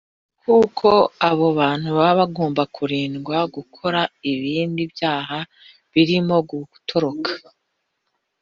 kuko abo bantu baba bagomba kurindwa gukora ibindi byaha birimo gutoroka